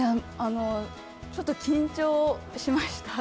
ちょっと緊張しました。